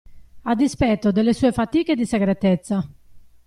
A dispetto delle sue fatiche di segretezza.